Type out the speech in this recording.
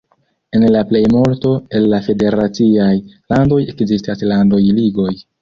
En la plejmulto el la federaciaj landoj ekzistas landaj ligoj.